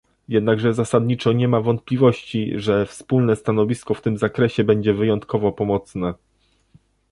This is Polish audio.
Jednakże zasadniczo nie ma wątpliwości, że wspólne stanowisko w tym zakresie będzie wyjątkowo pomocne